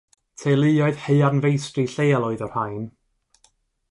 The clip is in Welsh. Teuluoedd haearnfeistri lleol oedd y rhain.